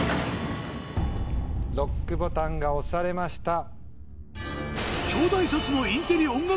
ＬＯＣＫボタンが押されました。